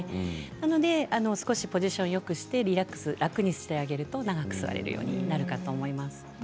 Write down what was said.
なので、ポジションよくしてリラックス、楽にしてあげると長く座れるようになると思います。